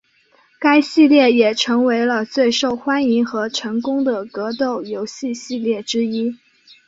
该系列也成为了最受欢迎和成功的格斗游戏系列之一。